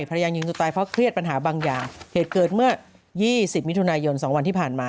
ภรรยายิงตัวตายเพราะเครียดปัญหาบางอย่างเหตุเกิดเมื่อ๒๐มิถุนายน๒วันที่ผ่านมา